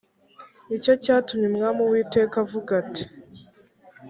ni cyo cyatumye umwami uwiteka avuga ati